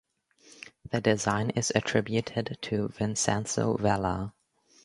The design is attributed to Vincenzo Vella.